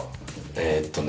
えっとね。